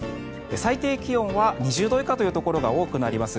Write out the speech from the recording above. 最低気温は２０度以下というところが多くなります。